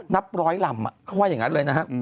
นับร้อยลำเขาว่าอย่างนั้นเลยนะฮะ